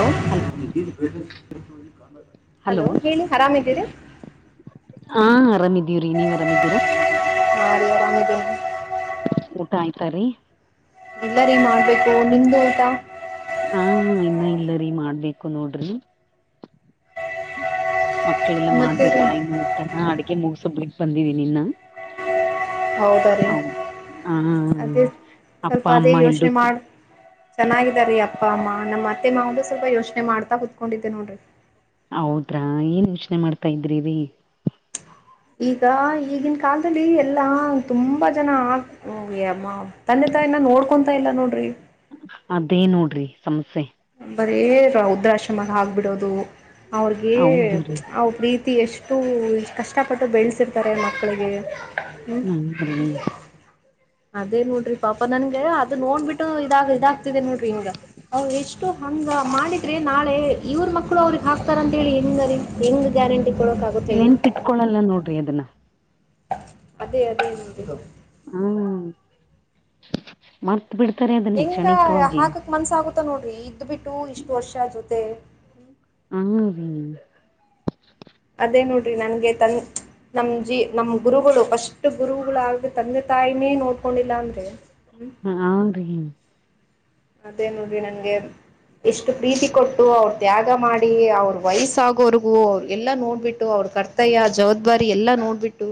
[unintelligible] Hello ಹೇಳಿ ಆರಾಮಿದ್ದೀರಿ. ಹಾ ಆರಾಮಿದೀವ್ರಿ ನೀವ್ ಆರಾಮಿದ್ದೀರಾ. ಹಾರಿ ಅರಾಮ್ ಇದೀವ್. ಊಟ ಆಯ್ತಾರೀ. ಎಲ್ಲರಿ ಮಾಡ್ಬೇಕು ನಿಮ್ದು ಊಟ. ಹಾ ಇನ್ನ ಇಲ್ಲರಿ ಮಾಡ್ಬೇಕು ನೋಡ್ರಿ. ಮಕ್ಕಳೆಲ್ಲಾ ಮತ್ತೆ ರೀ ಮಾಡ್ಬೇಕಲ್ಲ ಇನ್ನು ಊಟನ ಅಡಗೆ ಮುಗಸಿ ಬಿಟ್ ಬಂದಿದಿನಿ ಇನ್ನ. ಹೌದ ಬರೀ ಹೌದು ಹ ಅದೇ ಅಪ್ಪ ಸ್ವಲ್ಪ ಅದೇ ಅಮ್ಮ ಯೋಚನೆ ಎಲ್ರೂ ಮಾಡ್- ಚೆನ್ನಾಗಿದೀ ಅಪ್ಪ ಅಮ್ಮಾ ನಮ್ಮ್ ಅತ್ತೆ ಮಾವನ್ದು ಸ್ವಲ್ಪ ಯೋಚನೆ ಮಾಡ್ತಾ ಹೊತ್ಕೊಂಡಿದ್ದೆ ನೋಡ್ರಿ. ಹೌದ್ರಾ ಏನ್ ಯೋಚನೆ ಮಾಡ್ತಾ ಇದ್ರಿರಿ ಈಗ ಈಗಿನ ಕಾಲದಲ್ಲಿ ಎಲ್ಲಾ ತುಂಬಾ ಜನ ಆ ತಂದೆ ತಾಯಿನ ನೋಡ್ಕೊಂತಾ ಇಲ್ಲ ನೋಡ್ರಿ. ಅದೇ ನೋಡ್ರಿ ಸಮಸ್ಯೆ. ಬರೇ ವೃದ್ರಾಶ್ರಮ ಆಗ್ಬಿಡೋದು ಅವ್ರಗ ಹೌದು ರೀ ಅವ ಪ್ರೀತಿ ಎಷ್ಟು ಅಷ್ಟು ಕಷ್ಟಪಟ್ಟು ಬೆಳೆಸಿರ್ತಾರೆ ಮಕ್ಕಳಿಗೆ. ಹ್ಞೂ [unintelligible] ಅದೇ ನೋಡ್ರಿ ಪಾಪಾ ನನ್ಗೆ ಅದದು ನೋಡ್ಬಿಟ್ಟು ಇದಾಗ ಇದಾಗ್ತಿದೆ ನೋಡ್ರಿ ಟ ಹಂಗ ಮಾಡಿದ್ರೆ ನಾಳೆ ಇವ್ರ ಮಕ್ಕಳು ಅವ್ರಿಗೆ ಹಾಕ್ತಾರ ಅಂತೇಳಿ ಹೆಂಗ ರೀ ಹೆಂಗ್ ಗ್ಯಾರಂಟಿ. ಕೊಡೋಕ್ಕಾಗುತ್ತೆ ಹೇಳಿ ನೆನ್ಪ್ ಪಿಟ್ಕೊಳಲ್ಲ ನೋಡ್ರಿ ಅದನ್ನ. ಅದೇ ಅದೇ ಅಂದಿಗೋ. ಹ್ಮ್ ಮತ್ ಬಿಡ್ತಾರೆ ಅದನ್ನೇ ಕ್ಷಣಿಕವಾಗಿ. ಮನ್ಸ ಆಗುತ್ತ ನೋಡ್ರಿ ಇದ್ ಬಿಟ್ಟು ಇಷ್ಟು ವರ್ಷ ಜೊತೆ. ಹ ರೀ. ಅದೇ ನೋಡ್ರಿ ನನ್ಗೆ ತನ್ ನಮ ಜೀ ನಮ್ ಗುರುಗಳು ಪಸ್ಟ್. ಪಷ್ಟು ಗುರುಗಳಾಗ ತಂದೆ ತಾಯಿನೇ ನೋಡ್ಕೊಂಡಿಲ್ಲ ಅಂದ್ರೆ. ಹ್ಮ ಹ್ನ್ ರೀ. [unintelligible] ಅದೇ ನೋಡ್ರಿ ನಂಗೆ. ಇಷ್ಟು ಪ್ರೀತಿ ಕೊಟ್ಟು ಅವ್ರ ತ್ಯಾಗ ಮಾಡಿ ಅವ್ರ ವಯಸ್ಸಾಗೋರ್ಗೂ. ಎಲ್ಲಾ ನೋಡ್ಬಿಟ್ಟು ಅವ್ರ ಕರ್ತವಯ್ಯ ಜವಾಬ್ದಾರಿ ಎಲ್ಲಾ ನೋಡ್ಬಿಟ್ಟು.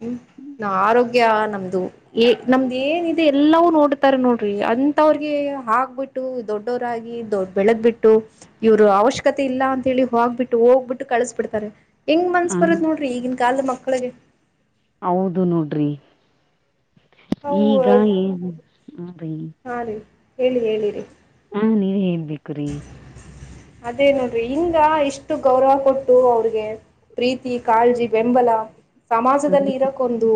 ಹ್ಮ್ ನಾ ಆರೋಗ್ಯ ನಮ್ದು. ಏ ನಮ್ದ ನ್ನ ಇದೆ ಎಲ್ಲವುೂ ನೋಡ್ತಾರೆ ನೋಡ್ರಿ ಅಂತವ್ರಿಗೆ. ಎ ಆಗ್ಕ್ಬಿಟ್ಟು ದೊಡ್ಡವರಾಗಿ ದೊಡ್ ಬೆಳೆದ್ ಬಿಟ್ಟು. ಇವ್ರು ಅವಶ್ಯಕತೆ ಇಲ್ಲ ಅಂತ ಹೇಳಿ ಹೋಗ್ಬಿಟ್ಟು ಹೋಗ್ಬಿಟ್ಟು. ಕಳಿಸಿ ಬಿಡ್ತಾರೆ ಹೆಂಗ್ ಮನ್ಸ್ ಹ ಬರದು ನೋಡ್ರಿ ಈಗಿನ ಕಾಲದ ಮಕ್ಕಳಿಗೆ. ಹೌದು ನೋಡ್ರಿ ಅವು ಈಗ ಏನ್ ಹ ಹಾಂ ರೀ ಹೇಳಿ ಹೇಳಿ ರೀ. ಹಾ ನೀವ್ ಹೇಳ್ಬೇಕು. ಲೀ. [unintelligible] ಅದೇ ನೋಡ್ರಿ ಹಿಂಗ ಇಷ್ಟು ಗೌರವ ಕೊಟ್ಟು ಅವ್ರಿಗೆ. ಪ್ರೀತಿ ಕಾಲ್ಜಿ ಬೆೆಂಬಲ. ಹ್ಮ ಸಮಾಜದಲ್ಲಿ ಇರೋಕ್ಕೊಂದು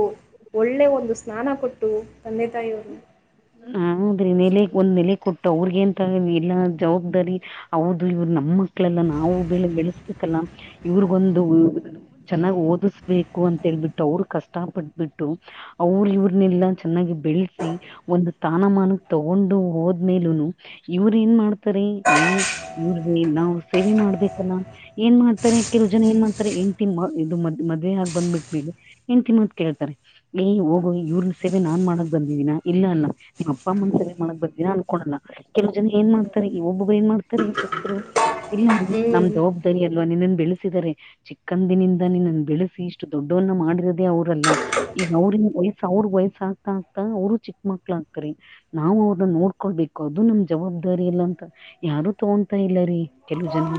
ಒಳ್ಳೆ ಒಂದು ಸ್ನಾನ ಕೊಟ್ಟು ತಂದೆ ತಾಯಿಯವರು. ಹೌದ್ರೀ ನೆಲೆ ಒಂದ್ ನೆಲೆ ಕೊಟ್ಟು ಅವ್ರಗೇಂತ ಎಲ್ಲಾ ಜವಾಬ್ದಾರಿ. ಹೌದು ಇವ್ರ ನಮ್ಮ ಮಕ್ಳೆಲ್ಲ ನಾವು ಬೆಳ ಬೆಳೆಸ್ಬೇಕಲ್ಲ ಇವ್ರಗೊಂದು. ಚೆನ್ನಾಗ್ ಓದಿಸ್ಬೇಕು ಅಂತ ಹೇಳ್ಬಿಟ್ಟು ಅವರು ಕಷ್ಟ ಪಟ್ಬಿಟ್ಟು. ಅವ್ರ ಇವ್ರನೆಲ್ಲಾ ಚೆನ್ನಾಗಿ ಬೆಳೆಸಿ. ಒಂದು ಸ್ಥಾನಮಾನ ತಗೊಂಡು ಹೋದ್ಮೇಲೂನು ಇವ್ರ ಏನ್ ಮಾಡ. ರಿ ಈ ಇ್ರ ನಾವ್ ಸೇವೆ ಮಾಡ್ಬೇಕಲ್ಲ ಏನ್ ಮಾಡ್. ಕೆಲವು ಜನ ಏನ್ ಮಾಡ್ತಾರೆ ಎಂಡತಿ ಮಾತ ಇದು ಮದುವೆ ಆಗಿ ಬಂದ್ಬಿಟ್ಟ್ಮೇಲೆ ಹೆಂಡತಿ ಮಾತು ಕೇಳ್ತಾರೆ. ಏ ಹೋಗು ಇವ್ರನ ಸೇವೆ ನಾನ್ ಮಾಡಕ್ ಬಂದಿದೀನಾ. ಇಲ್ಲ ಅಲ ನಿಮ್ಮ ಅಪ್ಪ ಅಮ್ಮನ್ ಸವೆ ಮಾಡಕ್ ಬಂದಿನ ಅನ್ಕೊಂಡಿರಾ. ಕೆಲ ಜನ ಏನ್ ಮಾಡ್ತಾರೆ ಈ ಒಬ್ಬಗ ಏನ್ ಮಾಡ್ತಾರೆ ಸುಸ್ತರು ಇಲ್ಲ ಹ್ಮ್ ನಮ್ದು ಒಬ್. ಸರಿ ಅಲ್ವಾ ನಿನ್ನನ್ ಬೆಳೆಸಿದಿದ್ದಾರೆ. ಚಿಕ್ಕಂದಿನಿಂದಾನ ನನ್ನ ಬೆಳೆಸಿ ಇಷ್ಟು ದೊಡ್ಡವನ್ನ ಮಾಡಿರೋದೇ ಅವ್ರಲ್ಲ. ಈಗ ಅವ್ರ ವಯಸ್ಸ ಅವ್ರ ವಯಸ್ಸ ಆಗ್ತಾ ಆಗ್ತಾ ಅವ್ರು ಚಿಕ್ಕ. ಮಾಕ್ಲಾಡ್ತರಿ ನಾವು ಅವ್ರನ್ನ ನೋಡ್ಕೊಳ್ಬೇಕು ಅದು ನಮ್ ಜವಾಬ್ದಾರಿ ಇಲ್ಲ ಅಂತ. ಯಾರು ತಗೊಂತಾ ಇಲ್ಲಾರಿ ಕೆಲವು ಜನ.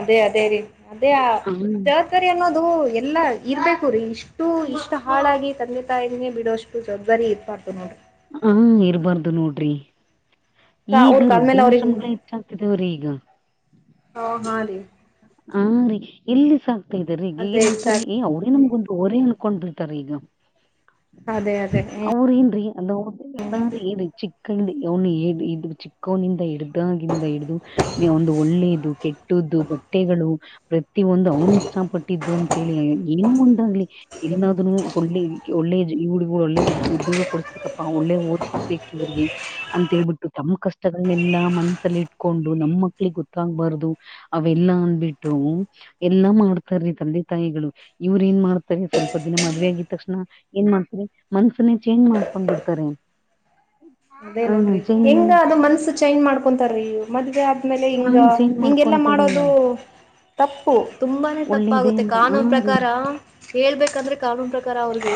ಅದೇ ಅದೇ ರೀ ಅದೇ. ಹ [unintelligible] ಸರಿ ಅನ್ನೋದು ಎಲ್ಲ ಇರ್ಬೇಕು ರೀ ಇಷ್ಟು ಇಷ್ಟು ಹಾಳಾಗಿ ತಂದೆ ತಾಯೇ ಬಿಡೋಷ್ಟು. ಜವಾಬ್ದಾರಿ ಇರ್ಪಾತು ನೋಡ. ಹ್ಮ ಇರ್ಬಾರ್ದು ನೋಡ್ರಿ. ಅವ್ರ ಈಗ ಕಾಲ್ಮೇಲೆ ಅವ್ರಿಗೆ ರುದ್ರಾಂಶ್ರಮಗಳು ಹೆಚ್ಚಾಗ್ತಿದವ್ರೀ ಈಗ. ಹ ಹಾ ರೀ [inaudible] ಹಾ ರೀ ಎಲ್ಲಿ ಸಾಕ್ತಾ ಇದ್ದ ಅದೇ ಇಷ್ಟ ರೀಗೀಗಏನಂತಾರೆಏ ಅವ್ರೇ ನಮ್ಗುಂತು ಅವರೇ. ಅನ್ಕೊಂಡ್ ಬಿಡ್ತಾರೀ ಈಗ. ಅದೇ ಅದೇ. ದೂರ ಏನ್ರೀ ಹಲೋ. ಅಂದ್ರೆ ಏನು ಚಿಕ್ಕಿಂದ ಅವನು ಇದ ಚಿಕ್ಕವನಿಂದ ಹಿಡ್ದಾಗಿಂದ ಹಿಡ್ದು. ಒಂದು ಒಳ್ಳೆಯದು ಕೆಟ್ಟದ್ದು. ಬಟ್ಟೆಗಳು ಪ್ರತಿ ಒಂದ ಅವ್ನ ಇಷ್ಟಪಟ್ಟಿದ್ದು ಅಂತೇಳಿ ಏನು ಒಟಾಗ್ಲಿ ಇನ್ನಾದ್ರೂ ಕೊಡ್ಲಿ ಒಳ್ಳೆ ಏಜು ಇವ್ಳುಗು ಒಳ್ಳೆ ಊದ್ ಉದ್ಯೋಗ ಕೊಡಸ್ಬೇಕಪ್ಪಾ ಒಳ್ಳೆ ಒದ್ ಬೇಕ್ ಇವರ್ಗೆ ಅಂತ ಹೇಳ್ಬಿಟ್ಟು ತಮ್ಮ್ ಕಷ್ಟಗಳನೆಲ್ಲಾ ಮನ್ಸಲ್ಲಿ ಇಟ್ಕೊಂಡು ನಮ್ಮ್ ಮಕ್ಳಿಗ ಗೊತ್ತಾಗ್ಬಾರ್ದು. ಅವೆಲ್ಲಾ ಅಂದ್ಬಿಟ್ಟು ಎಲ್ಲಾ ಮಾಡ್ತಾರೆ ತಂದೆ ತಾಯಿಗಳು. ಇವ್ರ ಏನ್ ಮಾಡ್ತಾರೆ ಸ್ವಲ್ಪ ದಿನ ಮದ್ವೆ ಆಗಿದ್ ತಕ್ಷಣ. ಏನ್ ಮಾಡ್ತರೆ ಮನ್ಸನೇ ಚೇಂಜ್ ಮಾಡ್ಕೊಂಡ್ ಬಿಡ್ತಾರೆ. ಅದೇ ಹ ನೋಡ್ರಿ ಚೇಂಜ್ ಮಾಡ ಹೆಂಗ ಅದ ಮನ್ಸು ಚೈಂಜ್ ಮಾಡ್ಕೊಂತಾರೀ ಇವ್ ಮದ್ವೆ ಆದ್ಮೇಲೆ ಹ ಹಿಂಗ ಚೇಂಜ್ ಹಿಂಗೆಲ್ಲಾ ಮಾಡ್ಕೊಂತಾರೆ ಮಾಡೋದು. ತಪ್ಪು ತುಂಬಾನೇ ತಪ್ಪಾಗುತ್ತೆ ಒಳ್ಳೇದೇನ ಹ ಕಾನೂನ ರೀ ಪ್ರಕಾರ. ಹೇಳ್ಬೇಕಂದ್ರೆ ಕಾನೂನು ಪ್ರಕಾರ ಅವ್ರಿಗೆ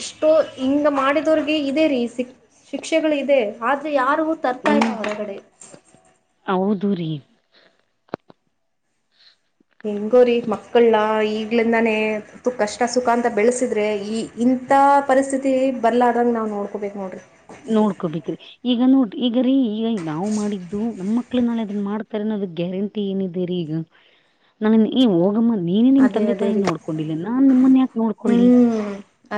ಎಷ್ಟೋ ಹಿಂಗ ಮಾಡಿದವ್ರಿಗೆ ಇದೆ ರೀ ಸಿಕ್ ಶಿಕ್ಷೆಗಳು ಇದೆ ಆದ್ರೆ ಯಾರಿಗೂ ತರ್ತಾ ಹ್ಮ ಇಲ್ಲ ಹೊರಗಡೆ. ಹೌದು ರಿ. ಹೆಂಗೋರಿ ಮಕ್ಕಳನಾ ಈಗ್ಲಿಂದಾನೇ ಕಷ್ಟ ಸುಖಾಂತ ತ ಬೆಳಸಿದ್ರೆ ಈ ಇಂಥ ಪರಿಸ್ಥಿತಿ ಬರ್ಲಾದಂಗ ನಾವು ನೋಡ್ಕೋಬೇಕು ನೋಡ್ರಿ. ನೋಡ್ಕೊಬೇಕ್ರಿ. ಈಗ ನೋಡ್ರಿ ಈಗ ರೀ ಈಗ ನಾವು ಮಾಡಿದ್ದು ನಮ್ಮ ಮಕ್ಳು ನಾಳೆ ಅದನ್ ಮಾಡ್ತಾರೆನದ ಗ್ಯಾರಂಟಿ ಟಿ ಏನಿದೇರಿ ಈಗ ನಾ ನೀನ್ ಈ ಹೋಗಮ್ಮ ನೀನೇ ನಿಮ್ ಅದೇ ತಂದೆ ಅದೇ ತಾಯಿ ರೀ ನೋಡ್ಕೊಂಡಿಲ್ಲ ನಾನ್ ನಿಮ್ಮನ ಯಾಕ ನೋಡ್ಕೊಳ್ಳಿ. ಹ್ಮ್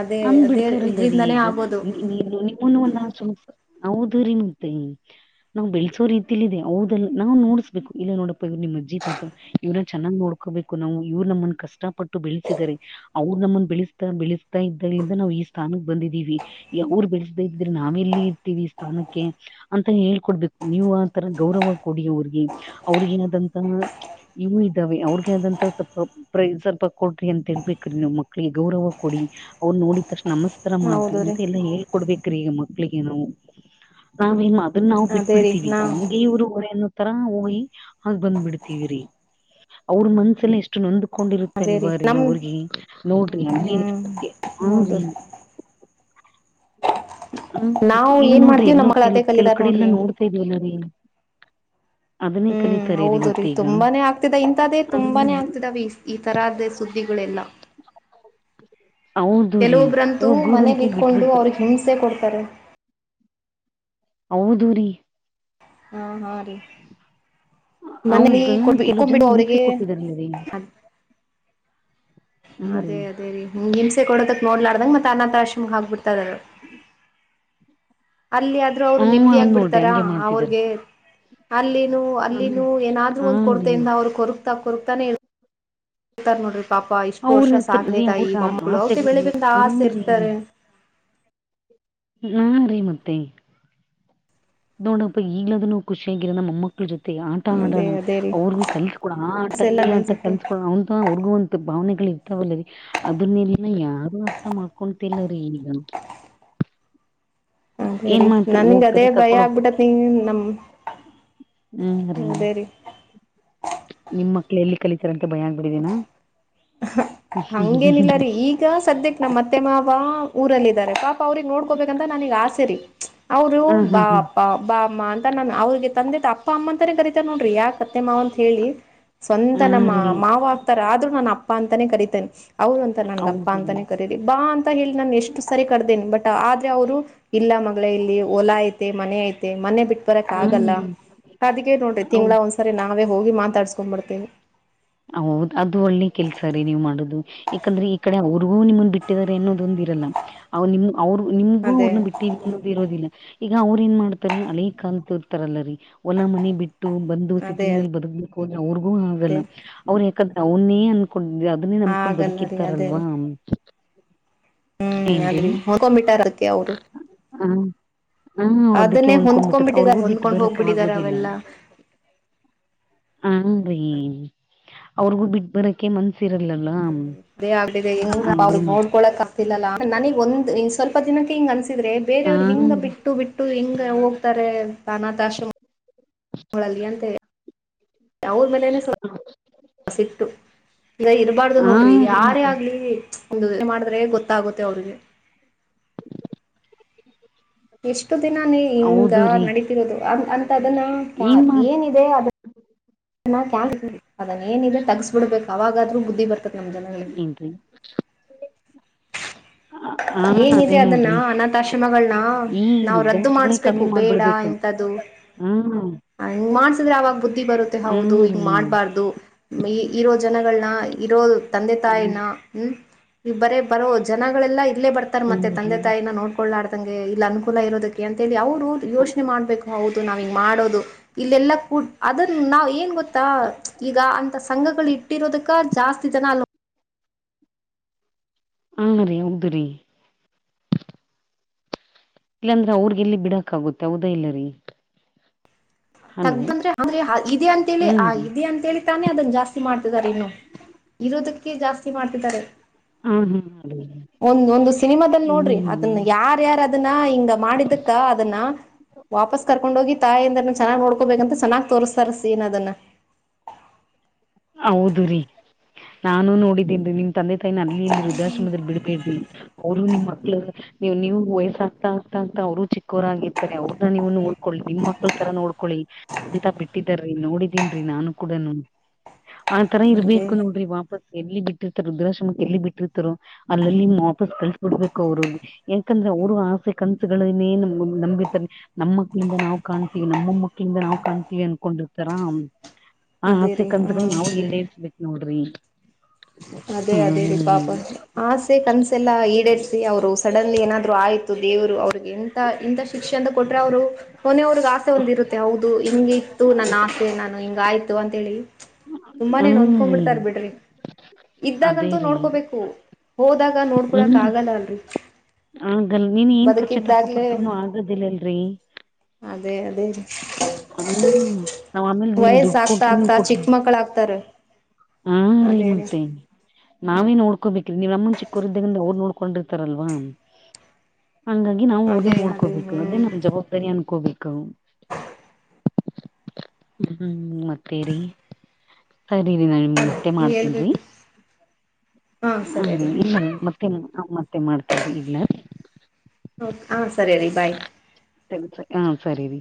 ಅದೇ ಅಂದ್ ಅದೇ ಬಿಡ್ತಾರಲ್ಲರಿ ಇದ್ರಿಂದಾನೇ ಈಗ ಆಗೋದು ನೀ [unintelligible] [unintelligible] ಹೌದು ರಿ ಮತ್ ಇ ನಾವು ಬೆಳೆಸೋ ರೀತಲ್ಲಿ ಇದೆ ಹೌದ ನಾವು ನೋಡಸ್ಬೇಕು ಇಲ್ಲ ನೋಡಪ್ಪ ಇವ್ರ ನಿಮ್ಮಜ್ಜ ತಾತ. ಇವ್ರನ ಚೆನ್ನಾಗ್ ನೋಡ್ಕೋಬೇಕು ನಾವು ಇವ್ರು ನಮ್ಮನ್ ಕಷ್ಟಪಟ್ಟು ಬೆಳೆಸಿದ್ದಾರೆ. ಅವ್ರ ನಮ್ಮನ್ ಬೆಳಸ್ತಾ ಬೆಳಸ್ತಾ ಇದ್ದಾಗಲಿಂದ ನಾವ್ ಈ ಸ್ಥಾನಕ್ ಬಂದಿದ್ದೀವಿ ಅವ್ರ ಬೆಳಸ್ ದೇ ಇದ್ರೆ ನಾವೆಲ್ಲಿ ಇರ್ತೀವಿ ಸ್ಥಾನಕ್ಕೆ. ಅಂತ ಹೇಳ್ಕೊಡ್ಬೇಕು ನೀವು ಆತರ ಗೌರವ ಕೊಡಿ ಅವ್ರಿಗೆ ಅವ್ರಗೇನಾದಂತಹ - ಇವು ಇದ್ದಾವೆ ಅವ್ರಗೆ ಆದಂತ ಸ್ವಲ್ಪ [unintelligible] ಸ್ವಲ್ಪ ಕೊಡ್ರಿ ಅಂತ ಹೇಳ್ಬೇಕ್ರಿ ನಮ್ ಮಕ್ಳಿಗ ಗೌರವ ಕೊಡಿ ಅವ್ರನ್ ನೋಡಿದ ತಕ್ಷಣ ನಮಸ್ಕಾರ ಇತರ ಹೌದು ಮಾಡ್ತೀವಿ ರೀ ಅಂತ ಎಲ್ಲಾ ಹೇಳ್ಕೊಡ್ಬೇಕ್ರೀ ಈಗ ಮಕ್ಳಿಗೆ ನಾವು ನಾವೇನ್ ಮಾ ಅದನ್ನ ನಾವು ಬೆಟ್ ಅದೇ ರೀ ಬಿಡ್ತೀವಿ ನಾ ನಮ್ಮು ಇವ್ರು ಹೊರೆ ಅನ್ನೋ ತರ ಹೋಗಿ ಹಾಗ ಬಂದ್ ಬಿಡ್ತೀವಿರಿ ಅವ್ರ ಮನ್ಸಲ್ ಎಷ್ಟ ಎಷ್ಟು ನೊಂದ್ಕೊಂಡಿರುತ್ತೆ ಅದೇ ಅಲ್ವ ರೀ ನಮ್ ಅವ್ರಿಗೆ ನೋಡ್ರಿ ಅಲ್ಲಿ ಹ್ಮ್ ಹೌದು ರೀ. ಹ್ಮ್ ನಾವು ಈಗ ಏನ್ ನೋಡ್ರಿ ಮಾಡ್ತೀವಿ ಎಲ್ಲೋ ನಮ್ಮ ಮಕ್ಳು ಕೆಲ ಅದೇ ಕೆಲ ಕಲಿದಾರ ಕಡೆ ಎಲ್ಲಾ ನೋಡ್ರಿ ನೋಡ್ತಾ ಇದ್ವಿಲ್ಲ ರೀ. ಅದನ್ನೆ ಹ್ಮ್ ಕಲಿತಾರೆ. ಹೌದು ರೀ ಮತ್ತೆ ಈಗ ತುಂಬಾನೇ ಆಗ್ತಿದೆ ಇಂಥದೇ ಹ್ಮ್ ತುಂಬಾನೇ ಆಗ್ತಿದವ ಈ ತರದ ಸುದ್ದಿಗಳೆಲ್ಲ. ಹೌದು ರೀ ಕೆಲವೊಬ್ಬ್ರಂತೂ ಮನೆಲ್ ಹೋಗುದಂತೆ ಇಟ್ಕೊಂಡು ಬಿಟ್ಬಿಡ್ತಾರ ಅವ್ರಿಗೆ ಹಿಂಸೆ ಕೊಡ್ತಾರೆ. ಹೌದೂ ರೀ. ಹಾ ಹಾ ರೀ ಮನೇಲಿ ಅವಾಗ ಕೊ ಕೆಲವು ಜನ ಇಟ್ಟ್ಕೊಂಡ್ಬಿಟ್ಟು ಹಿಂಸೆ ಅವ್ರಿಗೆ ಕೊಟ್ಟಿದಾರಲ್ಲ ರೀ ಅದೇದೇ ರೀ ಹಿಂಸೆ ಕೊಡದುಕ್ ನೋಡ್ಲಾರಡ್ದಂಗ ಮತ್ತ ಅನಾಥ ಆಶ್ರಮ ಹಾಕ್ಬಿಡ್ತಾರ ಅಲ್ಲಿ ಆದ್ರೂ ಅವ್ರು ಹ್ಮ ನೆಮ್ಮದಿ ನೋಡ್ರಿ ಆಗ್ಬಿಡ್ತಾರಾ ಹಂಗೆ ಮಾಡ್ತಿದಾರ ಅವ್ರಗೆ. ಅಲ್ಲಿನು ಹಾ ಅಲ್ಲಿನೂ ಏನಾದ್ರೂ ಹಾ ಒಂದು ರೀ ಕೊರತೆಯಿಂದ ಅವ್ರ ಕೊರು ಇತ್ತಾಗ ಕೋರ್ಗುತಾನೆ ಇರ್ [unintelligible] ನೋಡ್ರಿ ಪಾಪ ಇಷ್ಟು ಅವ್ರ ವರ್ಷ ಸಾಕಿದ ಇರ್ತರೀ ತಾಯಿ ಅವ್ರಗ ಮಮ್ಮಗಳು ಅವಿಗೆ ಬೆಳೆ ಆಸೆಗಳಿರ್ಲ ಬಿಂದ ಹಾ ಆಸೆ ರೀ ಇರ್ತಾರೆ ಹ್ಮ ರೀ ಮತ್ತೆ. ನೋಡಪ್ಪ ಈಗ್ಲಾದ್ರುನು ಖುಷಿಯಾಗಿರನ ಮೊಮಕ್ - - ಜೊತೆ ಆಟ ಅದೇ ಆಡೋಣ ಅದೇ ರೀ ಅವ್ರಿಗೂ ಕಲ್ಸ್ಕೊಡಣ ಆ ಆಟ ಎಲ್ಲ ಈ ಆಟ ನೆನ್ಸ್ಬಿಟ್ಟು ಕಲ್ಸ್ಕೊಡ ಅವಂತ ಅವ್ರಿಗೂ ಒ ಭಾವನೆಗಳು ಇರ್ತಾವಲ್ಲರಿ ಅದನ್ನೆಲ್ಲ ಯಾರು ಅರ್ಥ ಮಾಡ್ಕೊತಿಲ್ಲ ರೀ ಈಗ. ಹ ಸರಿ ಏನ್ ಮಾಡ್ತಾರ ನನ್ಗ್ ಅದೇ ಹೋಗ್ತಾರೆ ಭಯ ಕರ್ಕೊಂಡ್ ಹೋಗ್ತಾರ ಆಗ್ಬಿಟ್ಟತ್ ನೀ ನಮ್ - - ಹ್ಮ್ ಸರಿ. ನಿಮ್ ಮಕ್ಳ ಎಲ್ಲಿ ಕಲಿತಾರಂತ ಭಯ ಆಗ್ಬಿಡಿದೀನಾ. ಹಂಗೇನಿಲ್ಲ ರೀ ಈಗ ಸದ್ಯಕ್ ನಮ್ ಮತ್ತೆ ಮಾವ ಊರಲ್ ಇದಾರೆ. ಅವ್ರಗ್ ನೋಡ್ಕೋಬೇಕಂತ ನನಗ್ ಆಸೆರಿ ಅವ್ರು ಹ್ಮ್ ಹ್ಮ್ ಹಾ ಹಾ ಬಾ ಹಾ ಬಾ ಅಮ್ಮ ಅಂತ ನಾನು ಅವ್ರಿಗೆ ತಂದೆಪ್ಪ ಅಮ್ಮ ಅಂತನೇ ಕರೀತೆ ನೋಡ್ರಿ ಯಾಕ್ಟ್ - - ಸತ್ಯ ಮಾವ ಅಂತ ಹೇಳಿ ಸ್ವಂತ ಹಾ ನಮ್ಮ ರೀ ಮಾವ ಆಗ್ತಾರೆ ಆದ್ರೂ ನಾನು ಅಪ್ಪ ಅಂತಾನೇ ಕರಿತಿನಿ. ಹೌದ ಅಂತ ನನ್ಗಪ್ಪಾ ಹೌದು ಅಂತಾನೇ ಕರೀರಿ ಬಾ ಅಂತ ಹೇಳಿ ನಾನ್ ಎಷ್ಟು ಸರಿ ಕರ್ದೇನಿ ಬಟ್ ಆದ್ರೆ ಅವ್ರು. ಇಲ್ಲ ಮಗ್ಳೇ ಇಲ್ಲಿ ಹೊಲ ಐತೆ ಮನೆ ಐತೆ ಮನೆ ಬಿಟ್ ಬರಕ್ ಹ್ಮ್ ಆಗಲ್ಲ ಅದಿಕ್ಕೆ ನೋಡ್ರಿ ಹೌದು ತಿಂಗ್ಳ ಒಂದ್ಸರಿ ನಾವೇ ಹೋಗಿ ಮಾತಾಡ್ಸ್ಕೊಂಡ್ ಬರ್ತಿವಿ. ಹೌದ ಅದು ಒಳ್ಳೆ ಕೆಲ್ಸ ರೀ ನೀವ್ ಮಾಡದು. ಯಾಕಂದ್ರೆ ಈ ಕಡೆ ಅವ್ರಗೂ ನಿಮ್ಮನ್ನ ಬಿಟ್ಟಿದ್ದಾರೆ ಅನ್ನೋದೊಂದ್ ಇರಲ್ಲ ಹಾ ನಿಮ್ ಅವ್ರು ನಿಮ್ಗೂ ಅದೇ ಅವ್ರನ್ನ ಬಿಟ್ಟೀ. ಕೆಲೊರ್ ಇರೋದಿಲ್ಲ ಈಗ ಅವ್ರ ಏನ್ ಮಾಡ್ತಾರೆ ಹಳೇ ಕಾಲ್ದವ್ರು ಇರ್ತಾರಲ್ಲ ರೀ ಹೊಲ ಮನೆ ಬಿಟ್. ಟ್ಟು ಬಂದು ಅದೇ ಅದೇ ಸಿಟಿನಲ್ಲಿ ಬದುಕ್ಬೇಕಂದ್ರೆ ಅವ್ರಿಗೂ ಆಗಲ್ಲ ಅದೇ ಅವ್ರು ಯಾಕಂದ್ರೆ ಅವನೇ ಅದ್ ಅದನ್ನೇ ನಮ್ಕೊಂಡ್ ಆಗಲ್ಲ ರೀ ಅದೇ ಬದುಕಿರ್ತಾರಲ್ವಾ. ರೀ ಹ್ಮ್ ಅಲ್ಲಿ ಹೊಳ್ಕೊಬಿಟ್ಟಾರ್ ಅದಿಕೆ ಅವ್ರು. ಹ್ಮ ಅದನ್ನೇ ಅವ್ರಿಗೂ ಹೊಂದ್ಕೊಂಡ್ಬಿಟ್ಟಿದಾರೆ ಬಿಟ್ಟು ಹೊಂದ್ಕೊಂಡ್ ಬರಕ್ ಹೋಗ್ಬಿಟ್ಟಿದಾರ ಆಗೋದಿಲ್ಲ ಅವೆಲ್ಲ. ಹಂಗ್ ರೀ ಅವ್ರಿಗೂ ಬಿಟ್ಟ ಬರಕೆ ಮನ್ಸ ಇರಲಲ್ಲ. ದೇ ಆಗ್ಬಿಟ್ಟಿದೆ ಹೆಂಗಾ ಅವ ನೋಡ್ರಿ ನೋಡ್ಕೊಳಕ್ ಆಗ್ತಿಲ್ಲಲ್ಲ ನನಗ್ ಒಂದ್ ಈ ಸ್ವಲ್ಪ ದಿನಕ್ಕೆ ಹಿಂಗ್ ಅನ್ಸ ಟಿದ್ರೆ ಬೇರೆಯವ್ರು ಹಿಂಗ ಹನ್ರಿ ಬಿಟ್ಟು ಬಿಟ್ಟು ಹಿಂಗ ಹೋಗ್ತಾರೆ ಅನಾಥಾಶ್ರಮ. ಗಳಲ್ಲಿ ಅಂತ ಹೇಳಿ ಅವ್ರ ಮೇಲೆನೆ ಸ್ವಲ್ಪ್ [inaudible] ಸಿಟ್ಟು ಈಗ ಇರಬಾರ್ದು ಹಾ ನೋಡ್ರಿ ರೀ ಯಾರೇ ಮತ್ತೆ ಆಗ್ಲೀ. ಒಂದು ಯೋಚ್ನೆ ಮಾಡಿದ್ರೆ ಗೊತ್ತಾಗುತ್ತೆ ಅವ್ರಿಗೆ. ಎಷ್ಟು ದಿನ ನೀ ಹಿಂಗ ಹೌದು ರೀ ನಡಿತಿರೋದು ಅ ಅಂತ ಅದನ್ನ ಪಾ ಏನ್ ಏನಿದೆ. [unintelligible] ಅದನ್ನ ಏನಿದೆ ತಗಸ್ಬಿಡ್ಬೇಕು ಅವಾಗಾದ್ರು ಬುದ್ಧಿ ಬರ್ತದೆ ನಮ್ ಜನಗಳಿಗೆ. [unintelligible] ಡ್ರ [inaudible] ಅದೇ ಏನಿದೆ ಅದನ್ನ ನೋಡ್ರಿ ಅನಾಥಾಶ್ರಮಗಳ್ನ ಈ ನಾವ್ ರದ್ದು ಮಾಡಸ್ಬೇಕು ಬೇಡ ಎ ತದು. ಹ್ಮ ಹ ಹಂಗ್ ಮಾಡಸಿದ್ರೆ ಅವಾಗ್ ಬುದ್ಧಿ ಬರುತ್ತೆ ಹೌದು. ರೀ ಮಾಡಬಾರ್ದು ಮೇ ಇರೋ ಜನಗಳನ್ನ ಇರೋ ತಂದೆ ಹ್ಮ್ ತಾಯಿನ. ಹ್ಮ್ ಈ ಬರೇ ಬರೋ ಜನಗಳೆಲ್ಲಾ ಇಲ್ಲೇ ಬರ್ತಾರೆ ಮತ್ತೆ ಹ್ಮ್ ರೀ ತಂದೆ ತಾಯಿನ ನೋಡ್ ಕೊಳ್ಳಾಡ್ದಂಗೆ ಇಲ್ಲಿ ಅನುಕೂಲ ಇರೋದಕ್ಕೆ ಅಂತ ಹೇಳಿ ಅವ್ರ್ ಯೋಚನೆ ಮಾಡ್ಬೇಕು ಹೌದು ನಾವಿಂಗ್ ಮಾಡೋದು ಇಲ್ಲೆಲ್ಲ ಕೂತ್ ಅದನ್ ನಾವ್ ಏನ್ ಗೊತ್ತಾ ಈಗ ಅಂತ ಸಂಘಗಳು ಇಟ್ಟಿರೋದಕ್ಕ ಜಾಸ್ತಿ ಜನ ಅಲ್ ಹಾ ರೀ ಹೌದು ರೀ. ಇಲ್ಲಾಂದ್ರೆ ಅವ್ರಗೆ ಎಲ್ಲಿ ಬಿಡಕ್ ಆಗುತ್ತೆ ಹೌದ ಇಲ್ಲ ರೀ. ತಗ್ ಹಲೋ ಬಂದ್ರೆ ಹೌದೆ ಹಾ ಇದೆ ಅಂತೇಳಿ ಹ್ಮ್ ಆ ರೀ ಇದೆ ಅಂತೇಳಿ. ತ್ತಾನೆ ಅದನ್ನ ಜಾಸ್ತಿ ಮಾಡ್ತಿದ್ದಾರೆ ಇನ್ನೂ ಇರೋದಕ್ಕೆ ಜಾಸ್ತಿ ಮಾಡ್ತಿದ್ದಾರೆ. ಹ್ಮ್ ಹ್ಮ್ ಒಂದ್ ಒಂದು ಸಿನಿಮಾ ಬಂದ್ ನೋಡ್ರಿ ಹ್ಮ್ ಅದನ್ನ ಯಾರ. ಯಾರ ಅದನ್ನ ಹಿಂಗ ಮಾಡಿದಕ್ಕ ಅದನ್ನ ವಾಪಸ್ ಕರ್ಕೊಂಡ ಹೋಗಿ ತಾಯಿಂದ. ಚೆನ್ನಾಗ್ ನೋಡ್ಕೋಬೇಕಾಂತ ಚೆನ್ನಾಗ್ ತೋರಿಸ್ತಾರ ಸೀನ್ ಅದನ್ನ. ಹೌದು ರೀ ನಾನು ನೋಡಿದ್ದೀನಿ ರೀ. ತಂದೆ ತಾಯಿನ ಅಲ್ಲಿ ಇಲ್ಲಿ ವೃದ್ಧಾಶ್ರಮದಲ್ಲಿ ಬಿಡುಬೆಡ್ರಿ ಅವ್ರು ನಿಮ್ ಮಕ್ಳು. ನೀವ್ ನೀವು ವಯಸ್ಸ್ ಆಗ್ತಾ ಆಗ್ತಾ ಆಗ್ತಾ ಅವರು ಚಿಕ್ಕೋರಾಗಿರ್ತಾರೆ ಅವ್ರದ ನೀವು ನೋಡ್ಕೊಳ್ಳಿ ನಿಮ್ ಮಕ್ಳ ತರ ನೋಡ್ಕೊಳಿ. ಅಂತ ಬಿಟ್ಟಿದ್ದರೀ ನೋಡಿದೀನ್ ರೀ ನಾನು ಕೂಡನೂ. ಆ ತರ ಅದೇ ಇರ್ಬೇಕು ನೋಡ್ರಿ ವಾಪಸ್ ಎಲ್ಲಿ ಬಿಟ್ಟಿರ್ತರು ವೃದ್ದಶ್ರಮಕ್ಕೆ ಎಲ್ಲಿ ಬಿಟ್ಟಿರ್ತ್ತರೋ. ಅಲ್ಲಲ್ಲಿ ವಾಪಸ್ ಕಳ್ಸಬಿಡ್ಬೇಕು ಅವ್ರುಗೆ. ಯಾಕಂದ್ರೆ ಅವ್ರು ಆಸೆ ಕನ್ಸುಗಳನ್ನೇ ನಮ್ ನಂಬಿರ್ತ್ತಾರೆ. ನಮ್ ಮಕ್ಳಿಂದ ನಾವ್ ಕಾಣ್ತೀವಿ ನಮ್ ಮೊಮ್ಮಕ್ಳಿಂದ ನಾವ್ ಕಾಣ್ತೀವಿ ಅನ್ಕೊಂಡಿರ್ತಾರಾ ಹ್ಮ್. ಹಾ ಅದೇ ಆಸೆ ರೀ ಕನ್ಸ್ಗಳು ಹ್ಮ್ ನಾವು ಈಡೇರ್ಸ್ಬೇಕು ನೋಡ್ರಿ. ಅದೇ ಅದೇ ರೀ ಪಾಪ ಹ್ಮ್. ಆಸೆ ಕನ್ಸೆಲ್ಲಾ ಈಡೇರ್ಸಿ ಅವರು. ಸಡನ್ಲಿ ಏನಾದ್ರು ಆಯ್ತು ದೇವ್ರು ಅವ್ರಿಗೆ ಎಂತ ಇಂಥ ಶಿಕ್ಷೆ ಅಂತ ಕೊಟ್ರೆ ಅವರು. ಮನೆಯವ್ರಗ್ ಆಸೆ ಒಂದ್ ಇರುತ್ತೆ ಹೌದು ಹಿಂಗ ಇತ್ತು ನನ್ನ ಆಸೆ ನಾನು ಹಿಂಗ ಆಯ್ತು ಅಂತೇಳಿ. ಹ್ಮ್ ತುಂಬಾನೇನ್ಂದಕೊ್ ರೀ ಬಿಡ್ತಾರ ಬಿಡ್ರಿ. ಅದೇ ಇದ್ದಾಗಂತೂ ರೀ ನೋಡ್ಕೋಬೇಕು ಹೋದಾಗ ನೋಡ್ಕೊಳಕ್ ಹ್ಮ್ ಆಗಲ್ಲ ಅಲ್ರರಿ. ಆಗಲ್ ನೀನ್ ಏನ್ ಪಚೆ ತಪ್ಪ ಪಟ್ಟ್ರರುನು ಆಗದಿಲ್ಲಲ್ರರಿ. ಅದೇ ಅದೇ ರೀ ಹ ನ ಆಮೇಲೆ ನೀ ವಯಸ್ಸ ದುಡ್ಡು ಕೊಟ ಆಗ್ತಾ ನೀ ಆಗ್ತಾ ಕೊಟ್ರಿ. ಚಿಕ್ಕ ಮಕ್ಕಳ ಆಗ್ತಾರ ಹಾ ರೀ ಮತ್ತೆ. ನಾವೇ ನೋಡ್ಕೋಬೇಕ್ರಿ ನೀವ್ಮ್ಮನ ಚಿಕ್ಕೋರ ಇದ್ದಂದ ಅವ್ರು ನೋಡ್ಕೊಂಡಿರ್ತಾರಲ್ವಾ. ಹಂಗಾಗಿ ನಾವು ಅವ್ರನ್ನ ಅದೇ ನೋಡ್ಬೇಕು ಅದೇ ಹ್ಮ್ ನಮ್ ಜವಾಬ್ದಾರಿ ಅನ್ಕೋಬೇಕ. ಹ್ಮ್ ಮತ್ತೇರಿ. ಸರಿನ ನಾ ನಿಮಗೆ ಮತ್ತೆ ಮಾಡ್ತೇನ್ರಿ. ಹೇಳ್ಬೇಕು ಹಾ ಹ ಸರಿ ರೀ ಇಲ್ಲ ಮತ್ತೆ ಮತ್ತೆ ಮಾಡ್ತನಿ ರಿ ಇಡಲ. ಹ ಹಾ ಸರಿ ರೀ ಬಾಯ್. ಹ ಸರಿ ರಿ.